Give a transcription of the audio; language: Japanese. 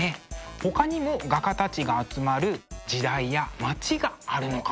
ほかにも画家たちが集まる時代や町があるのかもしれませんね。